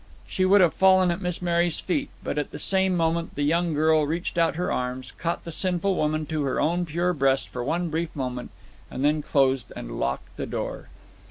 She would have fallen at Miss Mary's feet. But at the same moment the young girl reached out her arms, caught the sinful woman to her own pure breast for one brief moment, and then closed and locked the door.